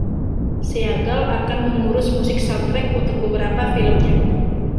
Seagal kadang mengurus musik soundtrack untuk beberapa filmnya.